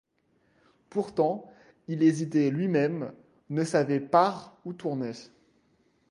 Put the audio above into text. Pourtant, il hésitait lui-même, ne savait par où tourner.